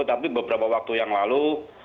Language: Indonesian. tapi beberapa waktu yang lalu